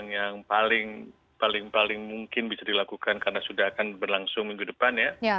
yang paling paling mungkin bisa dilakukan karena sudah akan berlangsung minggu depan ya